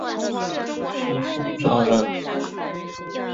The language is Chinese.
是宋朝人。